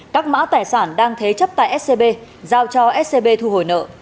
các mã tài sản đang thế chấp tại scb giao cho scb thu hồi nợ